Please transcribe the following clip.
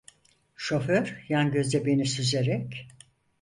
Şoför yan gözle beni süzerek: